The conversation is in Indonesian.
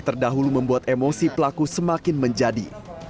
terdahulu membuat emosi pelaku semakin menjadi